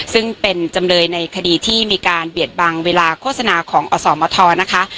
ซึ่งเป็นจำเลยในคดีที่มีการเบียดบังเวลาโฆษณาของอสมทนะคะ